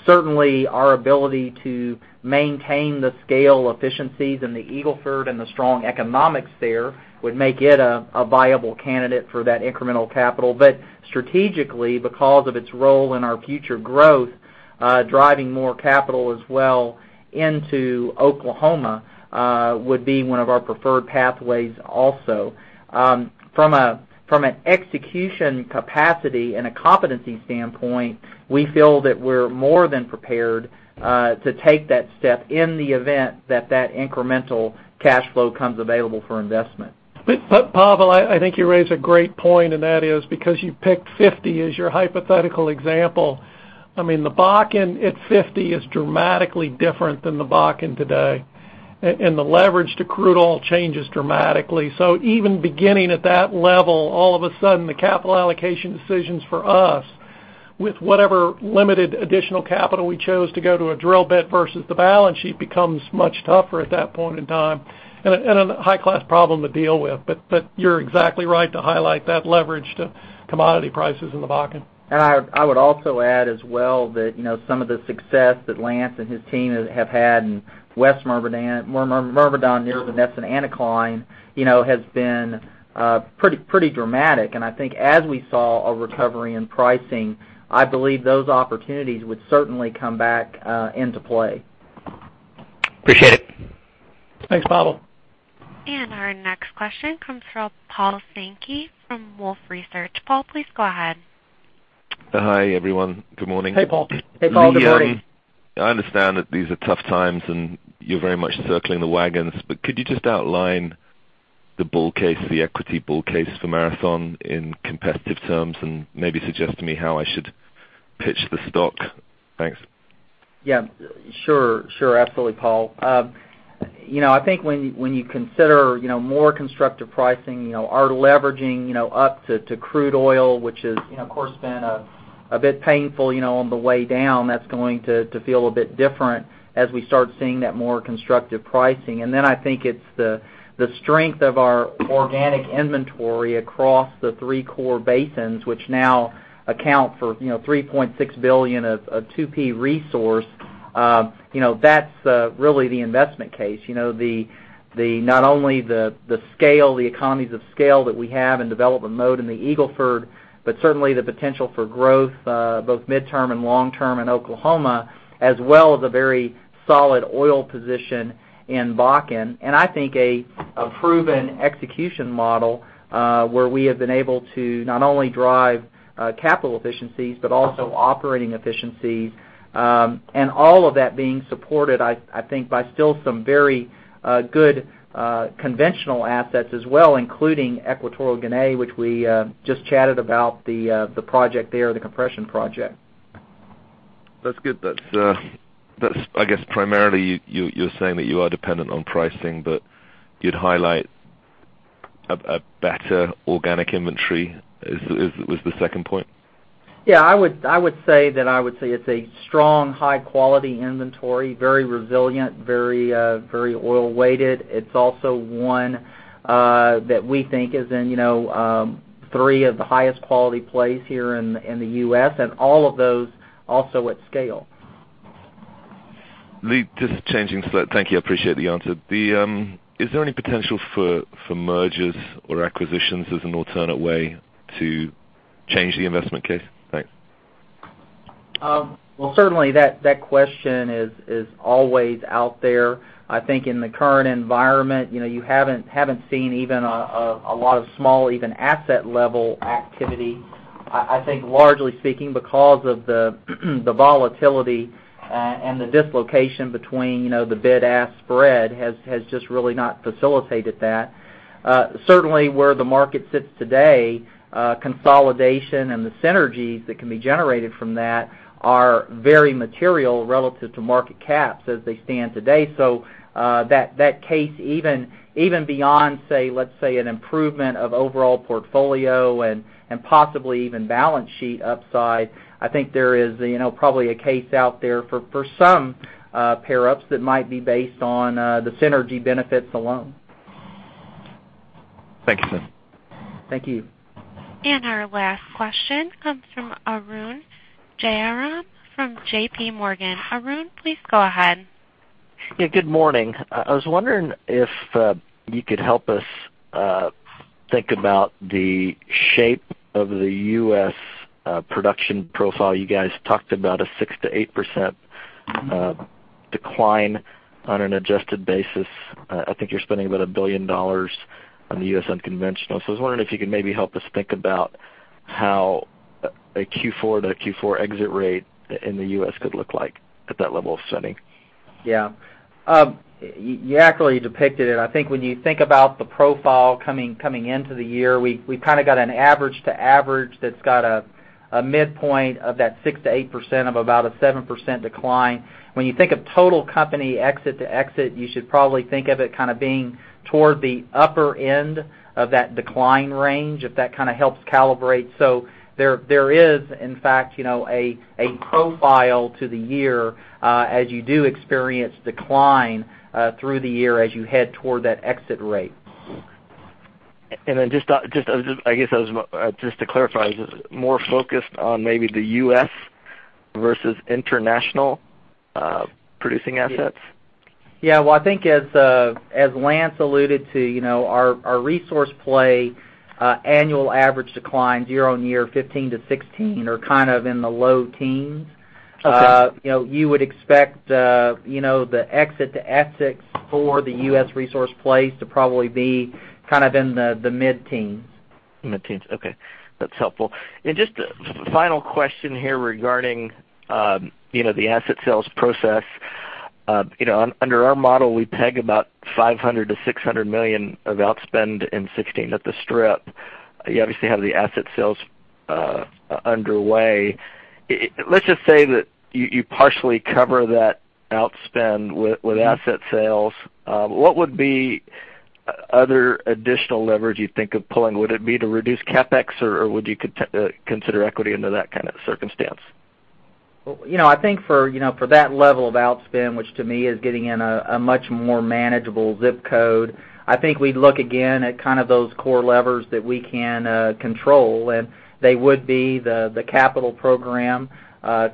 certainly our ability to maintain the scale efficiencies in the Eagle Ford and the strong economics there would make it a viable candidate for that incremental capital. Strategically, because of its role in our future growth, driving more capital as well into Oklahoma would be one of our preferred pathways also. From an execution capacity and a competency standpoint, we feel that we're more than prepared to take that step in the event that that incremental cash flow becomes available for investment. Pavel, I think you raise a great point, and that is because you picked 50 as your hypothetical example. The Bakken at 50 is dramatically different than the Bakken today. The leverage to crude oil changes dramatically. Even beginning at that level, all of a sudden, the capital allocation decisions for us with whatever limited additional capital we chose to go to a drill bit versus the balance sheet becomes much tougher at that point in time and a high-class problem to deal with. You're exactly right to highlight that leverage to commodity prices in the Bakken. I would also add as well that some of the success that Lance and his team have had in West Myrmidon near the Nesson anticline has been pretty dramatic. I think as we saw a recovery in pricing, I believe those opportunities would certainly come back into play. Appreciate it. Thanks, Pavel. Our next question comes from Paul Sankey from Wolfe Research. Paul, please go ahead. Hi, everyone. Good morning. Hey, Paul. Hey, Paul. Good morning. Lee, I understand that these are tough times, and you're very much circling the wagons, but could you just outline the equity bull case for Marathon in competitive terms and maybe suggest to me how I should pitch the stock? Thanks. Yeah. Sure. Absolutely, Paul. I think when you consider more constructive pricing, our leveraging up to crude oil, which has, of course, been a bit painful on the way down, that's going to feel a bit different as we start seeing that more constructive pricing. I think it's the strength of our organic inventory across the three core basins, which now account for $3.6 billion of 2P resource. That's really the investment case. Not only the scale, the economies of scale that we have in development mode in the Eagle Ford, but certainly the potential for growth both midterm and long term in Oklahoma, as well as a very solid oil position in Bakken. I think a proven execution model where we have been able to not only drive capital efficiencies but also operating efficiencies. all of that being supported, I think, by still some very good conventional assets as well, including Equatorial Guinea, which we just chatted about the project there, the compression project. That's good. I guess primarily you're saying that you are dependent on pricing, but you'd highlight a better organic inventory was the second point? Yeah, I would say it's a strong, high-quality inventory, very resilient, very oil-weighted. It's also one that we think is in three of the highest quality plays here in the U.S., all of those also at scale. Lee, just changing slightly. Thank you, I appreciate the answer. Is there any potential for mergers or acquisitions as an alternate way to change the investment case? Thanks. Well, certainly that question is always out there. I think in the current environment, you haven't seen even a lot of small, even asset-level activity, I think largely speaking because of the volatility and the dislocation between the bid-ask spread has just really not facilitated that. Certainly, where the market sits today, consolidation and the synergies that can be generated from that are very material relative to market caps as they stand today. That case, even beyond, let's say, an improvement of overall portfolio and possibly even balance sheet upside, I think there is probably a case out there for some pair-ups that might be based on the synergy benefits alone. Thank you, sir. Thank you. Our last question comes from Arun Jayaram from JPMorgan Chase. Arun, please go ahead. Good morning. I was wondering if you could help us think about the shape of the U.S. production profile. You guys talked about a 6%-8% decline on an adjusted basis. I think you're spending about $1 billion on the U.S. unconventional. I was wondering if you could maybe help us think about how a Q4 to Q4 exit rate in the U.S. could look like at that level of spending. Yeah. You accurately depicted it. I think when you think about the profile coming into the year, we've got an average to average that's got a midpoint of that 6%-8% of about a 7% decline. When you think of total company exit to exit, you should probably think of it being toward the upper end of that decline range, if that helps calibrate. There is, in fact, a profile to the year, as you do experience decline through the year as you head toward that exit rate. Just to clarify, I was more focused on maybe the U.S. versus international producing assets. Yeah. Well, I think as Lance alluded to, our resource play annual average decline year-over-year 15%-16% are in the low teens. Okay. You would expect the exit to exits for the U.S. resource plays to probably be in the mid-teens. Mid-teens, okay. That's helpful. Just a final question here regarding the asset sales process. Under our model, we peg about $500 million-$600 million of outspend in 2016 at the strip. You obviously have the asset sales underway. Let's just say that you partially cover that outspend with asset sales. What would be other additional leverage you'd think of pulling? Would it be to reduce CapEx, or would you consider equity under that kind of circumstance? Well, I think for that level of outspend, which to me is getting in a much more manageable ZIP code, I think we'd look again at those core levers that we can control. They would be the capital program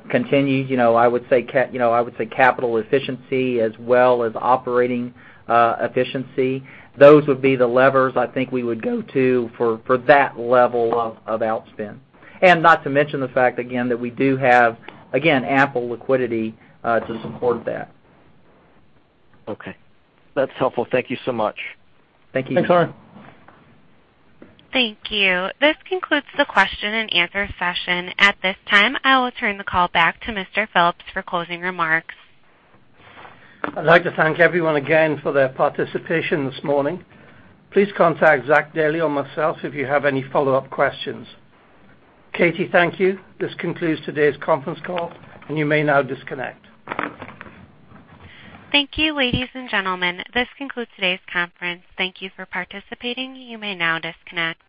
continued. I would say capital efficiency as well as operating efficiency. Those would be the levers I think we would go to for that level of outspend. Not to mention the fact, again, that we do have, again, ample liquidity to support that. Okay. That's helpful. Thank you so much. Thank you. Thanks, Arun. Thank you. This concludes the question and answer session. At this time, I will turn the call back to Mr. Phillips for closing remarks. I'd like to thank everyone again for their participation this morning. Please contact Zach Dailey or myself if you have any follow-up questions. Katie, thank you. This concludes today's conference call, and you may now disconnect. Thank you, ladies and gentlemen. This concludes today's conference. Thank you for participating. You may now disconnect.